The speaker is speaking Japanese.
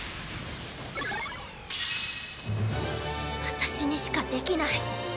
私にしかできない